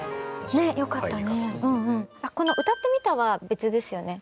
この「歌ってみた」は別ですよね？